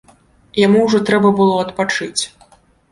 Яму ўжо трэба было адпачыць.